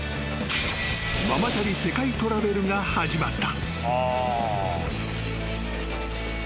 ［ママチャリ世界トラベルが始まった］